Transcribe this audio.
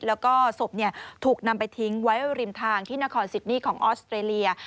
แล้วก็ศพถูกนำไปทิ้งไว้ริมทางที่นครซิดนี่ของออสเตรเลีย